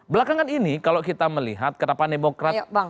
belakangan ini kalau kita melihat kenapa demokrat